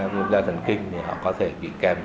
viêm da thần kinh thì họ có thể bị kèm